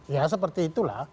ya seperti itulah